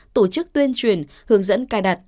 tổ chức tuyên truyền hướng dẫn cài đặt